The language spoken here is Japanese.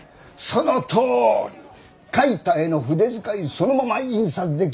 そのとおり！描いた絵の筆遣いそのまま印刷できるのがすごいんですよ！